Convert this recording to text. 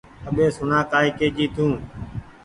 اٻي سوڻا ڪآئي ڪي جي تو